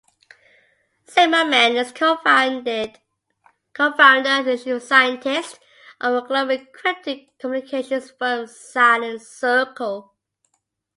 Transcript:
Zimmermann is co-founder and Chief Scientist of the global encrypted communications firm, Silent Circle.